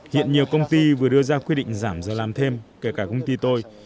hiện nhiều công ty vừa đưa ra quy định giảm giờ làm thêm kể cả công ty tôi